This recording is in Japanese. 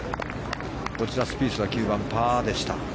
スピースは９番、パーでした。